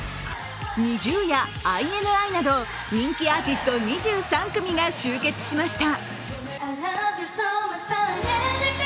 ＮｉｚｉＵやＩＮＩなど人気アーティスト２３組が集結しました。